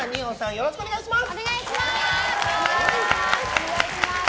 よろしくお願いします！